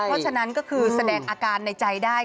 เพราะฉะนั้นก็คือแสดงอาการในใจได้